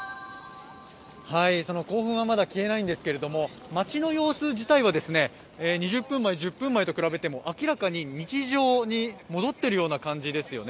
興奮はまだ消えないんですけれども街の様子自体は、２０分前、１０分前と比べても明らかに日常に戻っているような感じですよね。